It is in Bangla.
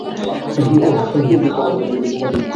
অনিরুদ্ধ কোমর বন্ধনীর মধ্যবর্তী তারা।